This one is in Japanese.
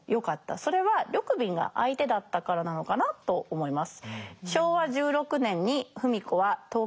それは緑敏が相手だったからなのかなと思います。